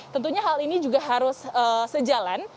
tentunya hal ini juga harus sejalan dengan kolaborasi ataupun juga kerjaan